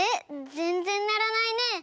ぜんぜんならないね。